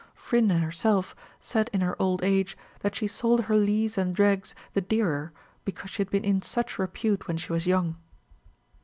Phryne herself said in her old age, that she sold her lees and dregs the dearer because she had been in such repute when she was young.